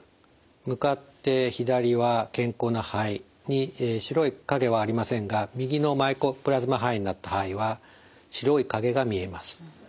向かって左は健康な肺に白い影はありませんが右のマイコプラズマ肺炎になった肺は白い影が見えます。